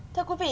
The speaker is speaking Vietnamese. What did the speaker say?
thưa quý vị